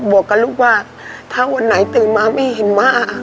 บอกกับลูกว่าถ้าวันไหนตื่นมาแม่เห็นว่า